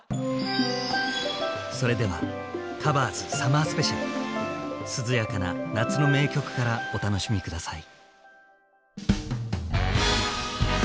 それでは「ｔｈｅＣｏｖｅｒｓサマースペシャル」涼やかな夏の名曲からお楽しみ下さい。